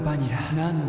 なのに．．．